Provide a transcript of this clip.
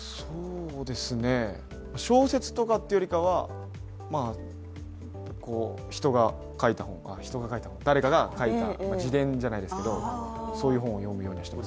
小説とかというよりかは人が書いた本誰かが書いた自伝じゃないですけど、そういう本を読むようにしています。